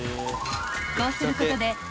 ［こうすることで］